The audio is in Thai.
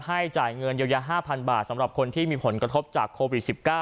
จ่ายเงินเยียวยา๕๐๐บาทสำหรับคนที่มีผลกระทบจากโควิด๑๙